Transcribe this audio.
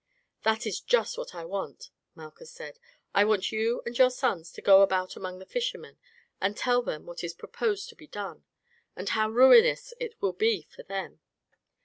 "That is just what I want," Malchus said. "I want you and your sons to go about among the fishermen and tell them what is proposed to be done, and how ruinous it will be for them.